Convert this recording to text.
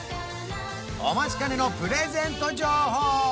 お待ちかねのプレゼント情報